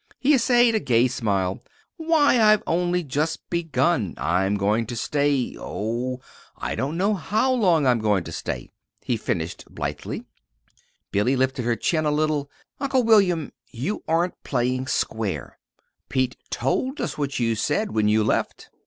He essayed a gay smile. "Why, I've only just begun. I'm going to stay oh, I don't know how long I'm going to stay," he finished blithely. Billy lifted her chin a little. "Uncle William, you aren't playing square. Pete told us what you said when you left."